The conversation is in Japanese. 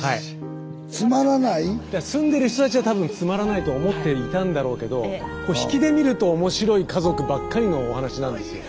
住んでる人たちは多分つまらないと思っていたんだろうけどこう引きで見ると面白い家族ばっかりのお話なんですよ。